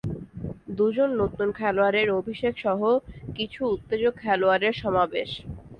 দুজন নতুন খেলোয়াড়ের অভিষেক সহ কিছু উত্তেজক খেলোয়াড়ের সমাবেশ!